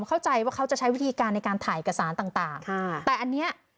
เข้าใจว่าเขาจะใช้วิธีการในการถ่ายเอกสารต่างต่างค่ะแต่อันเนี้ย